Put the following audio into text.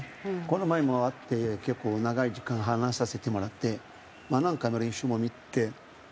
この前も会って結構長い時間話させてもらって何回も練習も見て。